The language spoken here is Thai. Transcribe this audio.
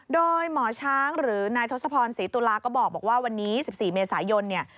โดยหมอช้างหรือนายทศพรศรีตุลาก็บอกว่าวันนี้๑๔เมษายนเนี่ย